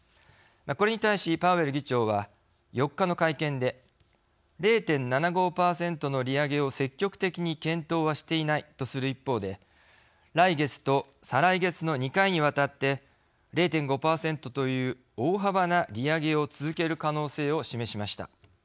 これに対し、パウエル議長は４日の会見で「０．７５％の利上げを積極的に検討はしていない」とする一方で来月と再来月の２回にわたって０．５％という大幅な利上げを続ける可能性を示しました。